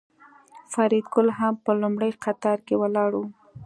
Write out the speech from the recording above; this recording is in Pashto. فریدګل هم په لومړي قطار کې ولاړ و